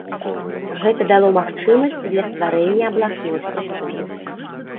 Гэта дало магчымасць для стварэння абласной структуры.